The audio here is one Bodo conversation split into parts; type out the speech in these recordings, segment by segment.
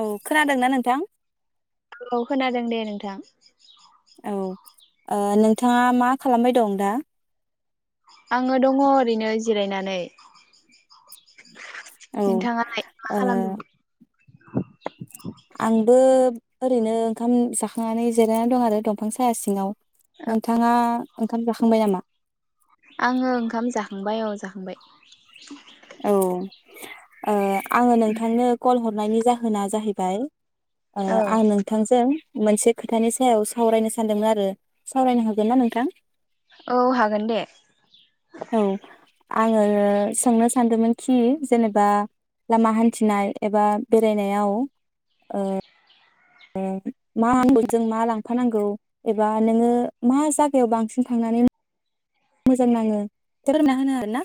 औ खोनादोंना नोंथां? औ खोनादों दे नोंथां। औ ओ नोंथाङा मा खालामबाय दं दा? आङो दङ ओरैनो जिरायनानै। औ नोंथाङालाय मा ओ खालामदों? आंबो ओरैनो ओंखाम जाखांनानै जिरायनानै दं आरो दंफां साया सिङाव। नोंथाङा ओंखाम जाखांबाय नामा? आंङो ओंखाम जाखांबाय औ जाखांबाय लांदां औ ओ आंङो नोंथांनो कल हर नायनि जाहोना जाहैबाय ओ औ आं नोंथांजों मोनसे खोथानि सायाव सावरायनो सानदोंमोन आरो सावरायनो हागोन ना नोंथां? औ हागोन दे। आंङो सोंनो सानदोंमोनखि जेनेबा लामा हान्थिनाय एबा बेरायनायाव ओ ओ मा आंगुरजों मा लांफानांगौ एबा नोङो मा जायगायाव बांसिन थांनानै मोजां नाङो फोरमना होनो हागोन ना?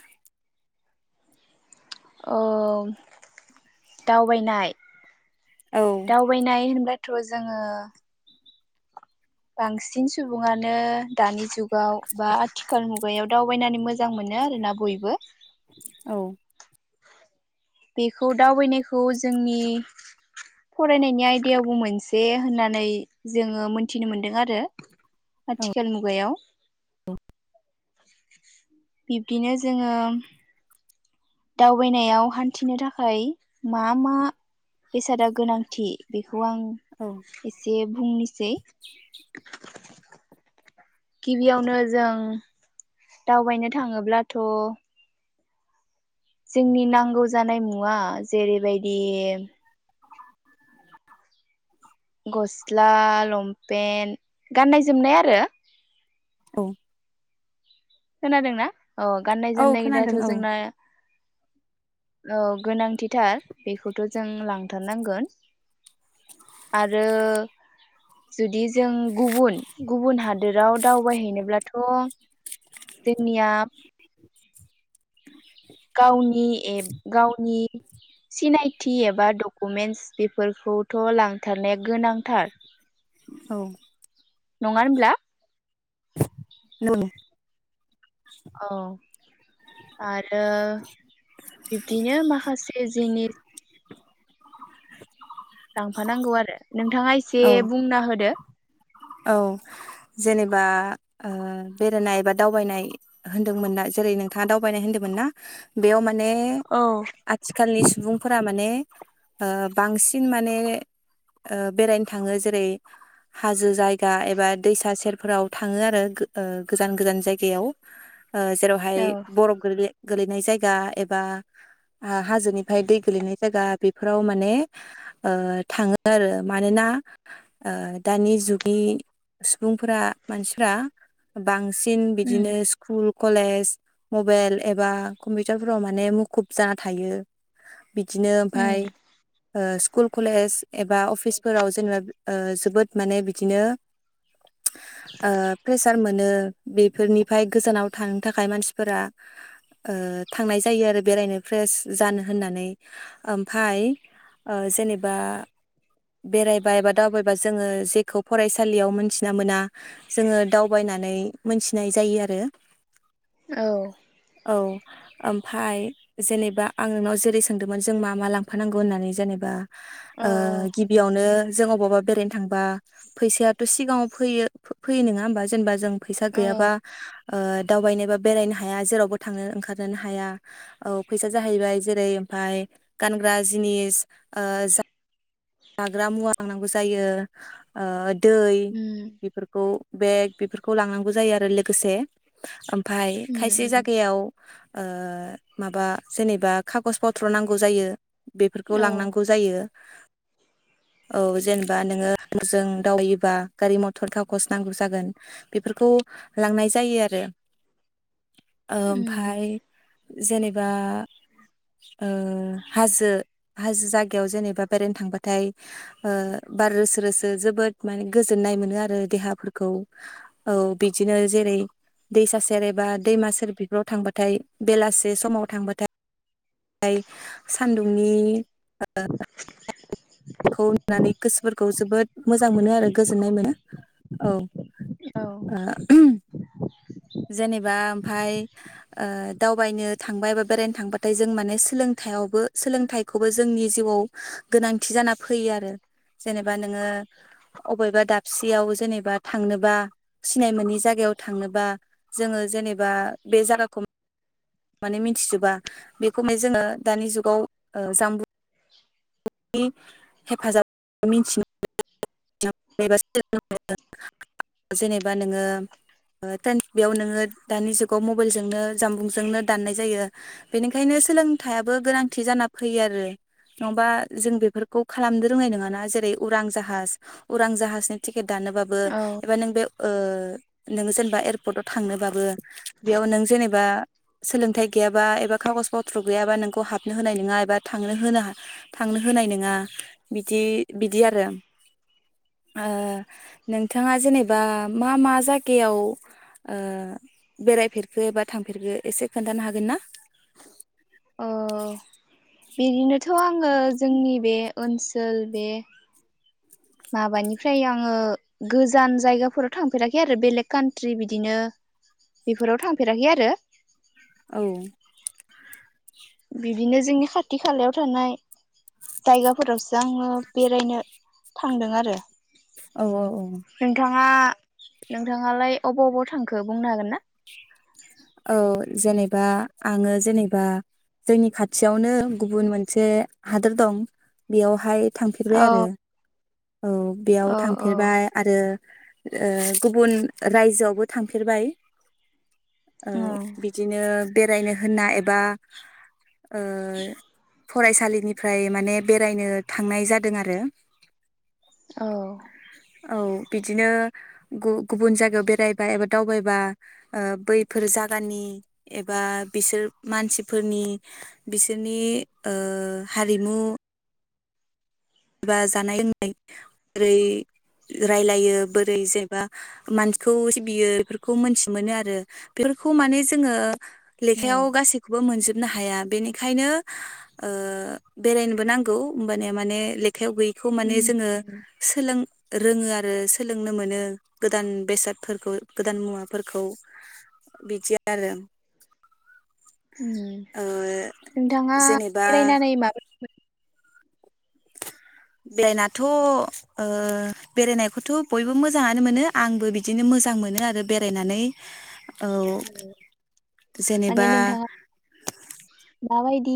ओं दावबायनाय औ दावबायनाय होनबा थ जोंङो बांसिन सुबुङानो दानि जुगाव बा आथिखाल मुगायाव दावबायनानै मोजां मोनो आरोना बयबो औ बेखौ दावबायनायखौ जोंनि फरायनायनि आयदायावबो मोनसे होननानै जोंङो मोनथिनो मोनदों आरो आथिखाल मुगायाव औ बिब्दिनो जोंङो दावबायनायाव हान्थिनो थाखाय मा मा बेसादा गोनांथि बेख खौ आं एसे फुंनि जै गिबियावनो जों दावबायनो थांङोब्लाथ जोंनि नांगौ जानाय मुवा जेरैबायदि गस्ला लंपेन्ट गाननाय जोमनाय आरो औ खोनादोंना? अ गाननाय औ जोमनाय दाथ खोनादों औ जोंना औ गोनांथिथार बेखौथ जों लांथारनांगोन आरो जुदि जों गुबुन गुबुन हादोराव दावबायहैनोब्लाथ जों निया गावनि एब गावनि सिनायथि एबा डकुमेन्टस बेफोरखौथ लांथारनाया गोनांथार। औ नंङा होनोमब्ला? नौ औ आर यो बिब्दिनो माखासे जिनिस [inaudible] लांफानांगौ आरो नोंथाङा एसे औ बुंना होदो औ जेनेबा ओ बेरायनाय बा दावबायनाय होनदोंमोन ना जेरै नोंथाङा दावबायनाय होन्दोंमोन ना बेयाव मा माने औ आथिखालनि सुबुंफोरा माने ओ बांसिन माने ओ बेरायनो थाङो जेरै हाजो जायगा एबा दैसा सेरफोराव थाङो आरो ओ गोजान गोजान जायगायाव ओ जेरावहाय औ बरफ गोग्लैयो गोलैनाय जायगा एबा हाजोनिफ्राय दै गोलैनाय जागा बेफोराव माने थाङो ओ आरो मानोना ओ दानि जुगनि सुबुंफोरा मानसिफ्रा बांसिन दिन बिदिनो उम स्कुल कलेज मबाइल एबा कम्पिउटारफोराव माने मुखुब जाना थायो। बिदिनो उम ओमफाय ओ स्कुल कलेज एबा अफिसफोराव जेनेबा ओ जोबोद माने बिदिनो ओ प्रेसार मोन [unintelligible] बिनो बेफोरनिफ्राय गोजानाव थांनो थाखाय मानसिफोरा ओ थांनाय जायो आरो बेरायनो फ्रेस जानो होननानै ओमफाय ओ जेनेबा बेरायबा एबा दावबायबा जोङो जेखौ फरायसालियाव मोनथिना मोना जोङो दावबायनानै मोनथिनाय जायो आरो औ औ ओमफाय जेनेबा आं नोंनाव जेरै सोंदोंमोन जों मा मा लांफानांगौ होननानै जेनेबा औ ओ गिबियावनो जों अबावबा बेरायनो थांबा फैसायाथ सिगाङाव फैयो फैयो नङा होमबा जेनेबा जों फैसा औ गैयाबा ओ दावबायनोबा बेरायनो हाया जेरावबो थांनो ओंखारनोनो हाया औ फैसा जाहैबाय जेरै ओमफाय गानग्रा जिनिस ओ जा जाग्रा मुवा लांनांगौ जायो ओ दै उम बेफोरखौ बेग बेफोरखौ लांनांगौ जायो आरो लोगोसे ओम ओमफाय उम खायसे उम जागायाव ओ माबा जेनेबा खागज पत्र नांगौ जायो। बेफोरखौ औ लांनांगौ जायो। औ जेनेबा नोङो [unintelligible] दावबायोबा गारि मथर खागस नांगौ जागोन बेफोरखौ लांनाय जायो आरो ओ उम ओमफाय जेनेबा ओ हाजो हाजो जायगायाव जेनेबा बेेरायनो थांबाथाय ओ बार रोसो रोसो जोबोद माने गोजोननाय मोनो आरो देहाफोरखौ औ बिदिनो जेरै दैसा सेर एबा दैमा सेर बिफोराव थांबाथाय बेलासे समाव थांबाथाय [inaudible] सानदुंनि [unintelligible] [unintelligible] बेखौ नुनानै गोसोफोरखौ जोबोद मोजां मोनो आरो गोजोननाय मोनो। औ औ [unintelligible] जेनेबा ओमफाय ओ दावबायनो थांबा एबा बेरायनो थांबाथाय जों माने सोलोंथायाइयावबो सोलोंथायाइखौबो जोंनि जिउआव गोनांथि जाना फैयो आरो जेनेबा नोङो अबेबा दाबसेयाव जेनेबा थांनोबा सिनाय मोननि जायगायाव थांनोबा जोङो जेनेबा बे जायगाखौ माने मिथिजोबा बेखौनो जोङो दानि जुगाव जाम्बुं नि हेफाजाब मिनथिनो [unintelligible] [unintelligible] जेनेबा नोङो [unintelligible] दानि जुगाव मबाइलजोंनो जानबुंजोंनो दाननाय जायो बेनिखायनो सोलोंथाइयाबो गोनांथि जाना फैयो आरो नङाबा जों बेफोरखौ खालामनो रोंनाय नङाना जेरै उरां जाहाज उरां जाहाजनि टिकि र दानोबाबो औ एबा नों बे ओ नोङो जेनेबा एयारपर्टआव थांनोबाबो बेयाव नों जेनेबा सोलोंथाइ गैयाबा एबा कागज पथ्र गैयाबा नोंखौ हाबनो होनाय नङा एबा थांनो होन थांनो होनाय नङा बिदि बिदि आरो। ओ नोंथाङा जेनेबा मा मा जायगायाव ओ बेरायफेरखो बा थांफेरखो एसे खोन्थानो हागोन ना? औ बिदिनोथ आङो जोंनि बे ओनसोल बे माबानिफ्राय आङो गोजान जायगाफोराव थांफेराखै आरो बेलेग कान्ट्रि बिदिनो बेफोराव थांफेराखै आरो औ बिदिनो जोंनि खाथि खालायाव थानाय जायगाफोरावसो आङो बेरायनो थांदों आरो औ औ औ नोंथाङा नोंथाङालाय अबाव अबाव थांखो बुंनो हागोन ना? औ जेनेबा आङो जेनेबा जोंनि खा खाथियावनो गुबुन मोनसे हादोर दं बेवहाय थांफेरबाय औ आरो औ बेयाव औ औ थांफेरबाय आरो ओ गुबुन रायजोआवबो थांफेरबाय। औ बिदिनो बेरायनो होनना एबा बा ओ फरायसालिनिफ्राय माने बेरायनो थांनाय जादों आरो औ औ बिदिनो गु गुबुन जायगायाव बेरायबा एबा दावबायबा बै फोर जागानि एबा बिसोर मानसिफोरनि बिसोरनि ओ हारिमु जेबा जानाय लोंनाय बोरै रायलायो बोरै जेबा मानसिखौ सिबियो बेफोरखौ मोनथि मोनो आरो बेफोरखौ माने जोङो लेखायाव गासिखौबो मोनजोब नो हाय बेनिखायनो ओ बेरायनोबो नांगौ होबानिया माने ले खथायाव गैयैखौ माने जोङो सोलों रोङो आरो सोलोंनो मोनो गोदान बेसादफोरखौ गोदान मुवाफोरखौ बिदि आरो। उम ओ नोंथांङा जेनेबा बेरायनानै माबोरै बेरायनाथ ओ बेरायनायखौथ बयबो मोजाङानो मोनो आंबो बिदिनो मोजां मोनो आरो बेरायनानै। औ माने जेनेबा नोंथाङा माबायदि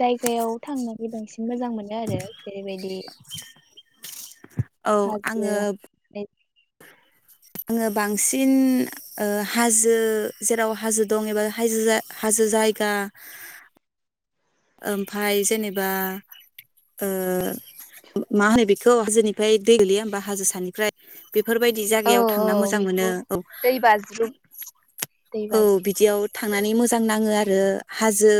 जायगायाव थांनानै बांसिन मोजां मोनो आरो जेरैबायदि औ आङो हाजो आङो बांसिन ओ हाजो जेराव हाजो दं एबा हाजो हाजो जायगा ओमफाय जेनेबा ओ मा होनो बेखौ हाजोनिफ्राय दै गोलैया होमबा हाजो सानिफ्राय बेफोरबायदि औ जायगायाव औ थांना मोजां बेखौ मोनो औ दै बाज्रुम दै औ बाज्रुम बिदियाव थांनानै मोजां नाङो आरो। आरो हाजो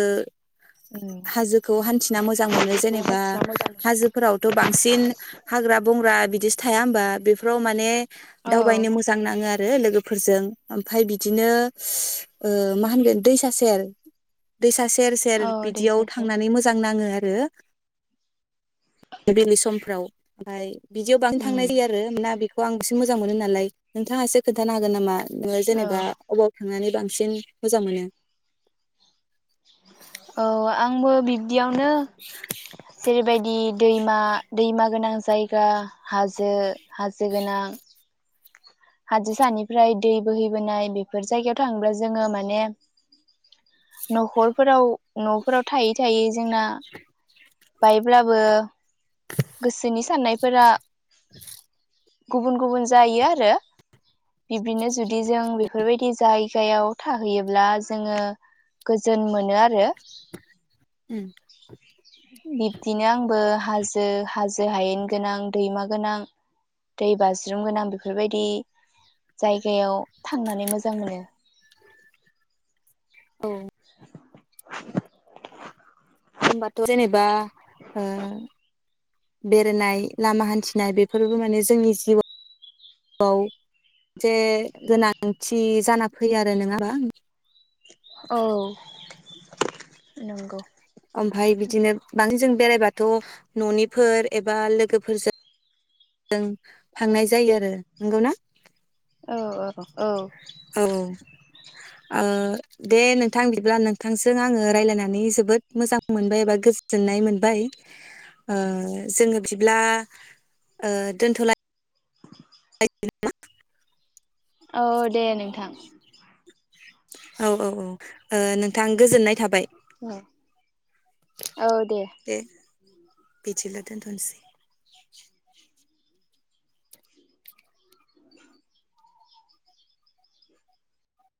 उम हाजोखौ हान्थिना मोजां मोनो बेखौ जेनेबा हान्थिना मोजां हाजोफोरावथ' बांसिन हाग्रा बंग्रा बिदि थाया होमबा बेफोराव माने मोनो। औ दावबायनो मोजां नाङो आरो। ओ लोगोफोरजों ओमफ्राय बिदिनो ओ मा होनगोन दैसा सेर दैसा सेर सेर औ दै बिदियाव सेर सेर थांनानै मोजां नाङो। [unintelligible] बिदियाव बांनो थांनाय उम जायो आरो लाबइउ आं बांसिन मोजां मोनो नालाय नोंथाङा एसे खोन्थानो हागोन नामा? औ जेनेबा अबाव थांनानै बांसिन मोजां मोनो। औ आंबो बि बिदियावनो जेरैबायदि दैमा दैमा गोनां जायगा हाजो हाजो गोनां हाजोसानिफ्राय दै बोहैबोनाय बेफोर जायगायाव थाङोब्ला जोङो माने न'खरफोराव न'फोराव थायै थायै जोंना बायब्लाबो गोसोनि साननायफोरा गुबुन गुबुन जायो आरो बिब्दिनो जुदि जों बेफोरबायदि जायगायाव थाहैयोब्ला जोङो गोजोन मोनो आरो बिब्दिनो आंबो हाजो जो हाज हायेन गोनां दैमा गो गोनां दै बाज्रुम गोनां बेफोरबायदि जायगायाव थांनानै मोजां मोनो। औ [inaudible] होमबथ जेनबा ओ बेरायनाय लामा हान्थिनाय बेफोरबो माने जोंनि जिउआव मोनसे गोनांथि जाना फैयो आरो नङा होमबा। औ नंगौ ओमफाय बिदिनो बांसिन जों बेरायबाथ न'निफोर एबा लोगोफोरजों जों थांनाय जायो आरो नंगौ ना। औ औ औ आङो दे नोंथां बिब्ला नोंथांजों आङो रायजलायनानै जोबोद मोजां मोनबाय एबा गोजोननाय मोनबाय ओ जोङो बिदिब्ला ओ दोनथलाय [inaudible] [unintelligible] औ दे नों थां। औ औ औ। ओ नोंथां गोजोननाय थाबाय दे बिदिला। दोनथसै।